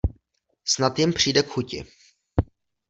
Snad jim přijde k chuti.